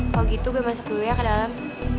kalau gitu gue masuk dulu ya ke dalam